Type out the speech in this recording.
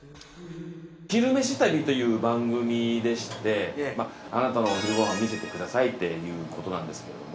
「昼めし旅」という番組でしてあなたのお昼ご飯見せて下さいっていうことなんですけれども。